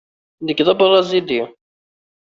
Nekk d abṛazili.